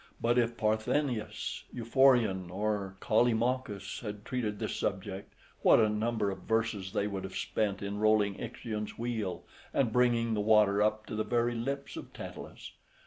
But if Parthenius, Euphorion, or Callimachus, had treated this subject, what a number of verses they would have spent in rolling Ixion's wheel, and bringing the water up to the very lips of Tantalus!